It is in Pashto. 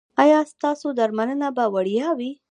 ایا ستاسو درملنه به وړیا وي؟